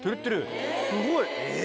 すごい！